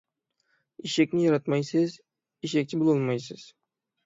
ئېشەكنى ياراتمايسىز، ئېشەكچە بولالمايسىز.